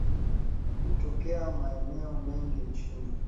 Hutokea maeneo mengi nchini